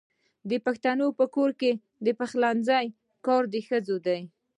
د پښتنو په کور کې د پخلنځي کار د ښځو دی.